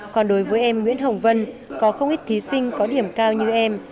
còn đối với em nguyễn hồng vân có không ít thí sinh có điểm cao như em